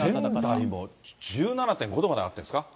仙台も１７．５度まで上がってるんですか。